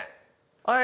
はい。